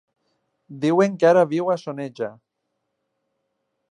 Diuen que ara viu a Soneja.